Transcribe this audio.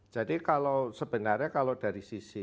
jadi kalau sebenarnya kalau dari sisi